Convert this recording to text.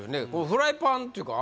フライパンっていうか